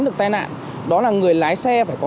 được tai nạn đó là người lái xe phải có